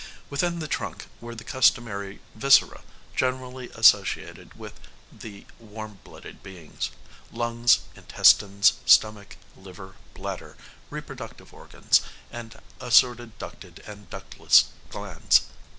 Within the trunk were the customary viscera generally associated with warm blooded beings: lungs, intestines, stomach, liver, bladder, reproductive organs and assorted ducted and ductless glands.